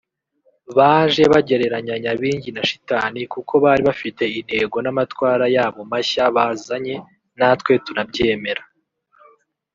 baje bagereranya Nyabingi na Shitani kuko bari bafite intego n’amatwara yabo mashya bazanye natwe turabyemera